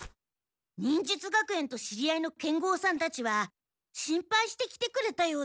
忍術学園と知り合いの剣豪さんたちは心配して来てくれたようです。